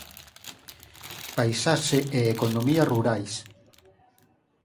Paisaxe e economía rurais.